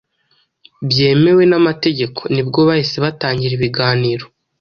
byemewe n’amategeko nibwo bahise batangiza ibiganiro